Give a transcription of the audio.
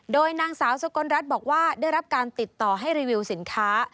โดยนางสาวสกลรัฐบอกว่าได้รับการติดต่อให้รีวิวสินค้า